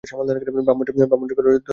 ব্রাহ্মণের ঘরে তো জন্ম বটে!